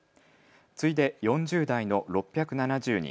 次いで４０代の６７０人。